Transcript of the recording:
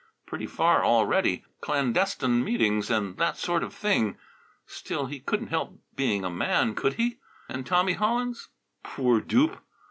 Pretty far already: clandestine meetings and that sort of thing. Still, he couldn't help being a man, could he? And Tommy Hollins, poor dupe!